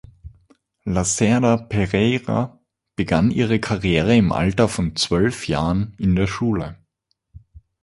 Lacerda Pereira begann ihre Karriere im Alter von zwölf Jahren in der Schule.